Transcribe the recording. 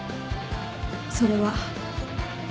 それは。